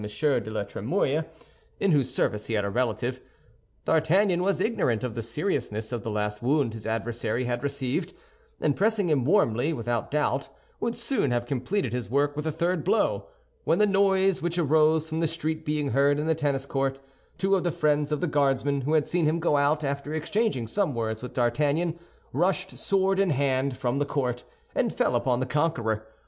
de la Trémouille, in whose service he had a relative, D'Artagnan was ignorant of the seriousness of the last wound his adversary had received, and pressing him warmly, without doubt would soon have completed his work with a third blow, when the noise which arose from the street being heard in the tennis court, two of the friends of the Guardsman, who had seen him go out after exchanging some words with D'Artagnan, rushed, sword in hand, from the court, and fell upon the conqueror.